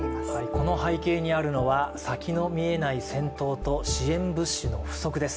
この背景にあるのは先の見えない戦闘と支援物資の不足です。